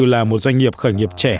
là một doanh nghiệp khởi nghiệp trẻ